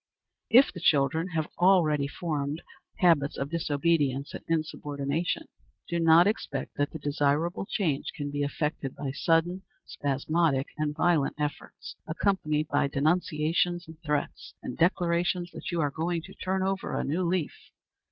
If the children have already formed habits of disobedience and insubordination, do not expect that the desirable change can be effected by sudden, spasmodic, and violent efforts, accompanied by denunciations and threats, and declarations that you are going to "turn over a new leaf."